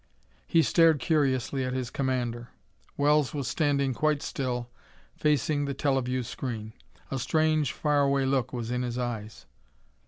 He stared curiously at his commander. Wells was standing quite still, facing the teleview screen. A strange, far away look was in his eyes.